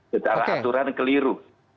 secara aturan keliru